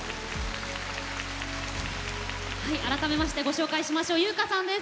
改めて、ご紹介しましょう由薫さんです。